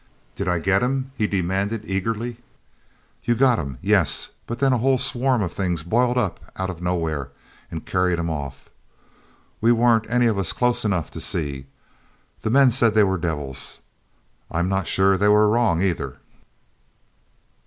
"Did I get him?" he demanded eagerly. "You got him, yes, but then a whole swarm of things boiled up out of nowhere and carried him off! We weren't any of us close enough to see. The men said they were devils; I'm not sure they were wrong, either.